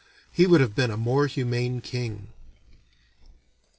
He would have been a more humane king.